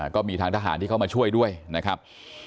ก็มีทางทหารที่เข้ามาช่วยด้วยนะครับ